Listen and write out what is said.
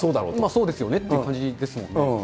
そうですよねって感じですもんね。